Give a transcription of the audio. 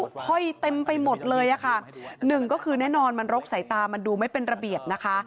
ห้อยเต็มไปหมดเลยอะค่ะหนึ่งก็คือแน่นอนมันรกสายตามันดูไม่เป็นระเบียบนะคะ